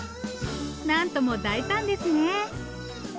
なんとも大胆ですね。